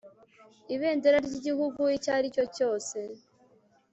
ibendera ry igihugu icyo ari cyo cyose